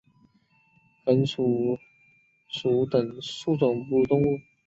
鼢鼠属等数种哺乳动物。